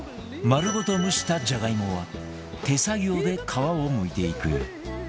丸ごと蒸したじゃがいもは手作業で皮をむいていく